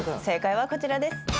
正解はこちらです。